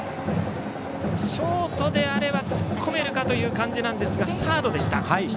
ショートであれば突っ込めるかという感じですがサードでした。